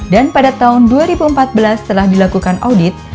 dan pada tahun dua ribu empat belas setelah dilakukan audit